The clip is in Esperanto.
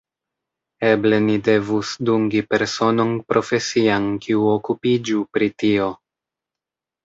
Eble ni devus dungi personon profesian kiu okupiĝu pri tio.